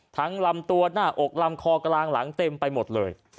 ลำตัวหน้าอกลำคอกลางหลังเต็มไปหมดเลย